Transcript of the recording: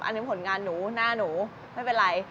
อันนี้ผลงานหนูหน้าหนูไม่เป็นไร